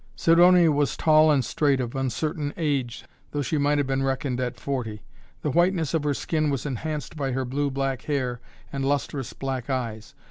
Sidonia was tall and straight, of uncertain age, though she might have been reckoned at forty. The whiteness of her skin was enhanced by her blue black hair and lustrous black eyes.